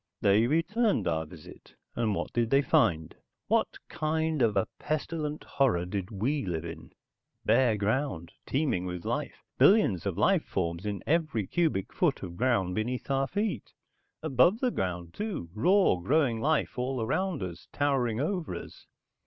"They returned our visit, and what did they find? What kind of a pestilent horror did we live in? Bare ground, teeming with life, billions of life forms in every cubic foot of ground beneath our feet. Above the ground, too. Raw, growing life all around us, towering over us.